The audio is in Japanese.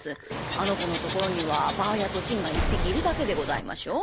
あの子のところにはばあやと狆が１匹いるだけでございましょう？